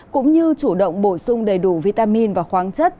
cũng như chủ động bổ sung đầy đủ vitamin và khoáng chất